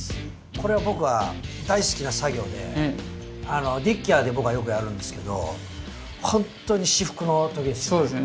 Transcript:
これは僕は大好きな作業でディッキアで僕はよくやるんですけどほんとに至福の時ですよね。